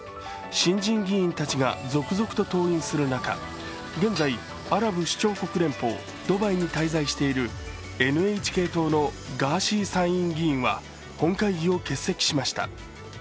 新人議員たちが続々と登院する中、現在、アラブ首長国連邦・ドバイに滞在しているＮＨＫ党のガーシー参議院議員は本会議を欠席しました。